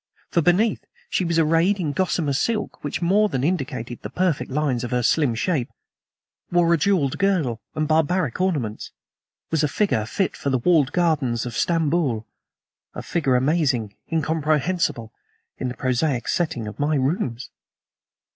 For beneath, she was arrayed in gossamer silk which more than indicated the perfect lines of her slim shape; wore a jeweled girdle and barbaric ornaments; was a figure fit for the walled gardens of Stamboul a figure amazing, incomprehensible, in the prosaic setting of my rooms.